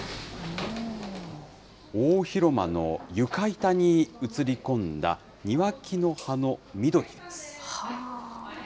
大広間の床板に映り込んだ、庭木の葉の緑です。